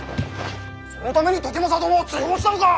そのために時政殿を追放したのか！